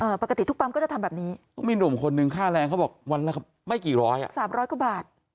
ปกติทุกปั๊มก็จะทำแบบนี้ก็มีหนุ่มคนนึงค่าแรงเขาบอกวันละไม่กี่ร้อยอ่ะสามร้อยกว่าบาท